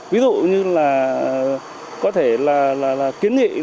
ví dụ như là có thể là kiến nghị lên ủy ban